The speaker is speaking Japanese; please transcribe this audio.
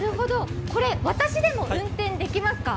私でも運転できますか？